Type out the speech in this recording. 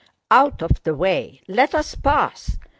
Out of the way!... Let us pass!...